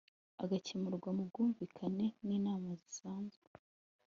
agakemurwa mu bwumvikane n inama zisanzwe